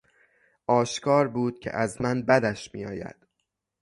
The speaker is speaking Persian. آشکار بود که از من بدش میآید.